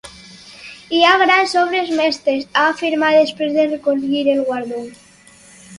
Hi ha grans obres mestres, ha afirmat després de recollir el guardó.